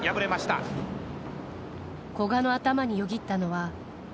古賀の頭によぎったのは。